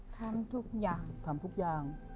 ทำทุกอย่าง